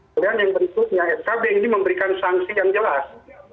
kemudian yang berikutnya skb ini memberikan sanksi yang jelas